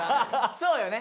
そうよね。